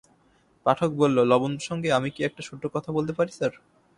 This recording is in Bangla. পাঠক বলল, লবণ প্রসঙ্গে আমি কি একটা ছোট্ট কথা বলতে পারি স্যার?